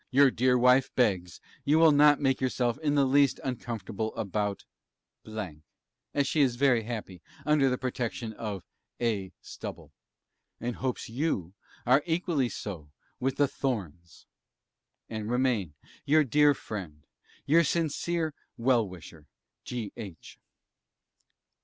Your dear Wife begs you will not make yourself in the least uncomfortable about as she is very happy under the protection of 'A. STUBBLE.' and hopes you are equally so with the 'THORNS,' and remain, Dear Friend, Your sincere 'well wisher,' G. H.